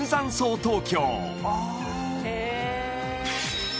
東京